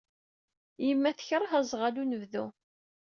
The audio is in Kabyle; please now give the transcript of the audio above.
Yemma tekṛeh aẓɣal n unebdu.